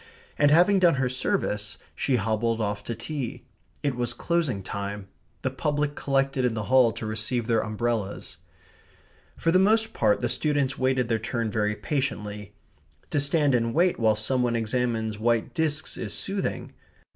And having done her service, she hobbled off to tea. It was closing time. The public collected in the hall to receive their umbrellas. For the most part the students wait their turn very patiently. To stand and wait while some one examines white discs is soothing.